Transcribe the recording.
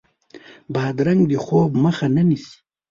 بادرنګ د خوب مخه نه نیسي.